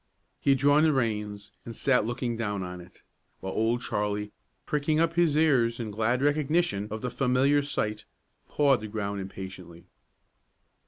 He had drawn the reins and sat looking down on it, while Old Charlie, pricking up his ears in glad recognition of the familiar sight, pawed the ground impatiently.